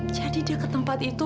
jadi dia ke tempat itu